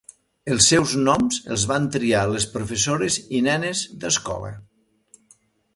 Els seus noms els van triar les professores i nenes d'escola.